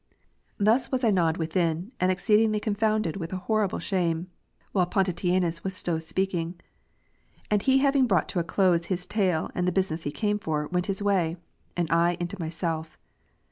Thus was I gnawed within, and exceedingly confounded with an horrible shame, while Pon titianus was so speaking. And he having brought to a close his tale and the business he came for, went his way ; and I into myself.